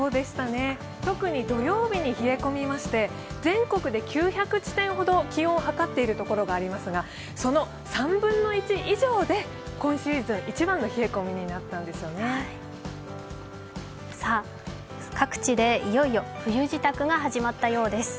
特に土曜日に冷え込みまして、全国で９００地点ほど気温を計っているところがありますが、その３分の１以上で今シーズン一番の冷え込みになったんですよね。